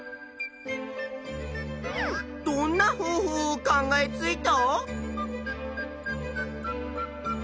どんな方法を考えついた？